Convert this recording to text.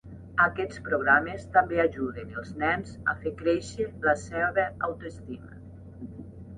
Aquests programes també ajuden els nens a fer créixer la seva autoestima.